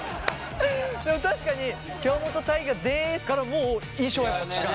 でも確かに「京本大我です」からもう印象は違う。